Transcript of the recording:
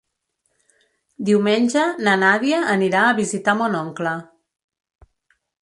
Diumenge na Nàdia anirà a visitar mon oncle.